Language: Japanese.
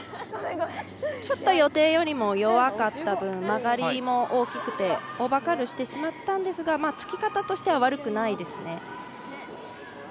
ちょっと予定よりも弱かった分、曲がりも大きくてオーバーカールしてしまったんですがつき方としては悪くないですね。